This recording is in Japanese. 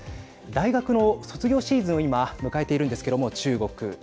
大学の卒業シーズンを今迎えているんですけども中国。